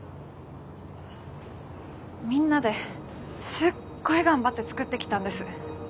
みんなですっごい頑張って作ってきたんです。